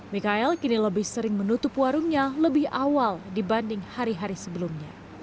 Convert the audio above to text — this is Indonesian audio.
mikael kini lebih sering menutup warungnya lebih awal dibanding hari hari sebelumnya